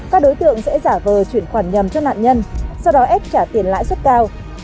các đối tượng sẽ giả vờ chuyển khoản nhầm cho nạn nhân sau đó ép trả tiền lãi suất cao